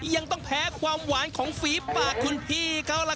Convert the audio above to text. ยังต้องแพ้ความหวานของฝีปากคุณพี่เขาล่ะ